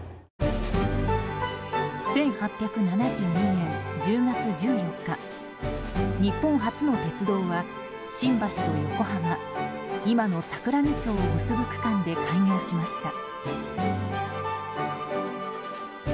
１８７２年１０月１４日日本初の鉄道は新橋と横浜、今の桜木町を結ぶ区間で開業しました。